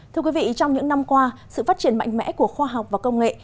thưa quý vị trong những năm qua sự phát triển mạnh mẽ của khoa học và công nghệ